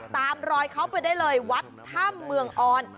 ตามรอยเขาไปได้เลยวัดถ้ำเมืองออน